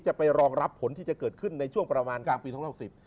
จะไปรองรับผลที่จะเกิดขึ้นในช่วงประมาณกลางปี๒๖๐